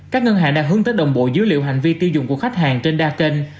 các ngân hàng đã hướng tới đồng bộ dữ liệu hành vi tiêu dùng của khách hàng trên đa kênh